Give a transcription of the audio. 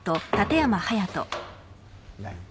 何？